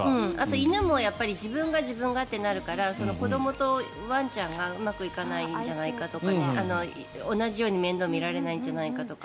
犬も自分が自分がとなるから子どもとワンちゃんがうまくいかないんじゃないかとか同じように面倒を見られないんじゃないかとか。